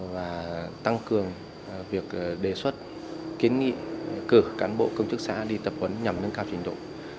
và tăng cường việc đề xuất kiến nghị cử cán bộ công chức xã đi tập huấn nhằm nâng cao trình độ